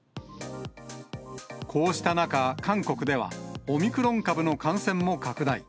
こうした中、韓国ではオミクロン株の感染も拡大。